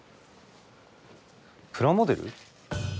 プラモデル？